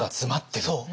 そう。